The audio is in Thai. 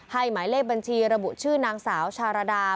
หมายเลขบัญชีระบุชื่อนางสาวชารดา